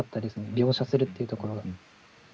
描写するっていうところが。